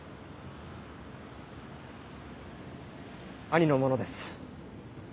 兄のものです。